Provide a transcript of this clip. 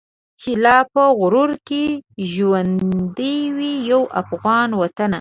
چي لا په غرونو کي ژوندی وي یو افغان وطنه.